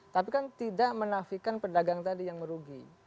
tapi kan tidak menafikan pedagang tadi yang merugi